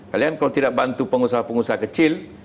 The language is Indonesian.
kalian kalau tidak bantu pengusaha pengusaha kecil